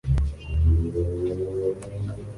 No migra más allá de movimientos locales.